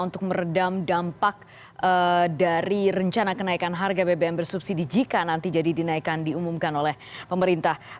untuk meredam dampak dari rencana kenaikan harga bbm bersubsidi jika nanti jadi dinaikkan diumumkan oleh pemerintah